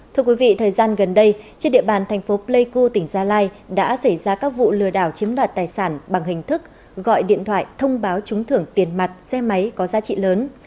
thưa quý vị thời gian gần đây trên địa bàn thành phố pleiku tỉnh gia lai đã xảy ra các vụ lừa đảo chiếm đoạt tài sản bằng hình thức gọi điện thoại thông báo trúng thưởng tiền mặt xe máy có giá trị lớn